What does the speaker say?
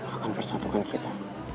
akan bersatukan kita